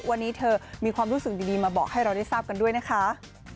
วันนี้เธอมีความรู้สึกดีมาบอกให้เราได้ทราบกันด้วยนะคะ